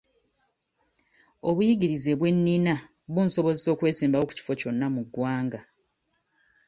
Obuyigirize bwe nnina bunsobozesa okwesimbawo ku kifo kyonna mu ggwanga.